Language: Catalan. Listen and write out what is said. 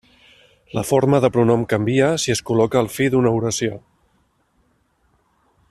La forma del pronom canvia si es col·loca al fi d'una oració.